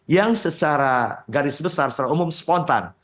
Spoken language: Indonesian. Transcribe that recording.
yang secara garis besar secara umum spontan